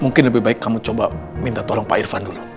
mungkin lebih baik kamu coba minta tolong pak irvan dulu